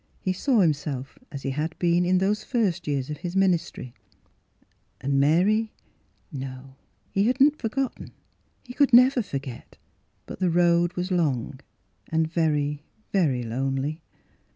He saw himself as he had been in those first years of his ministry. And Mary —? No, he had not forgotten ; he could never forget. But the road was long and very, very lonely.